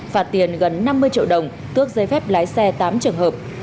phạt tiền gần năm mươi triệu đồng tước giấy phép lái xe tám trường hợp